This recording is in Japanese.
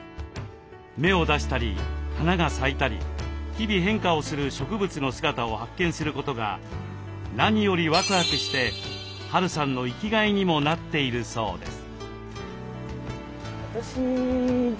芽を出したり花が咲いたり日々変化をする植物の姿を発見することが何よりワクワクしてＨ・Ａ・Ｒ・Ｕさんの生きがいにもなっているそうです。